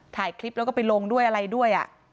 ถ่ายคลิปแล้วก็ไปลงด้วยอะไรด้วย